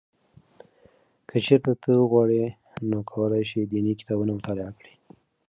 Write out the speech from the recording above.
که چېرې ته وغواړې نو کولای شې دیني کتابونه مطالعه کړې.